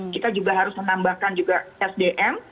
kita juga harus menambahkan juga sdm